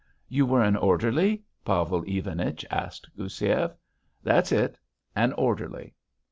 "You were an orderly?" Pavel Ivanich asked Goussiev. "That's it. An orderly."